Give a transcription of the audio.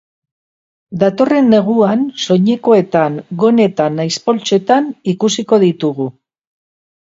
Datorren neguan, soinekoetan, gonetan nahiz poltsetan ikusiko ditugu.